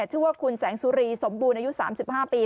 ชื่อว่าคุณแสงสุรีสมบูรณ์อายุ๓๕ปี